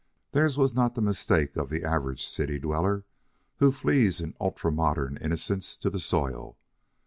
Theirs was not the mistake of the average city dweller who flees in ultra modern innocence to the soil.